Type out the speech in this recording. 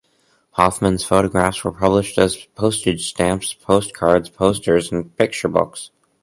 Hoffmann's photographs were published as postage stamps, postcards, posters and picture books.